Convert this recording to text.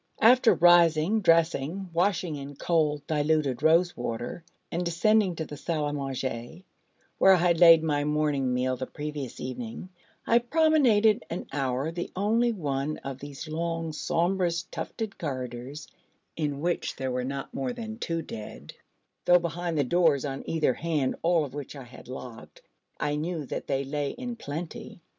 After rising, dressing, washing in cold diluted rose water, and descending to the salle à manger, where I had laid my morning meal the previous evening, I promenaded an hour the only one of these long sombrous tufted corridors in which there were not more than two dead, though behind the doors on either hand, all of which I had locked, I knew that they lay in plenty.